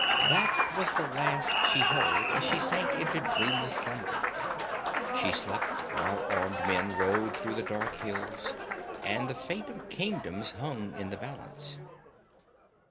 That was the last she heard as she sank into dreamless slumber. She slept while armed men rode through the dark hills, and the fate of kingdoms hung in the balance.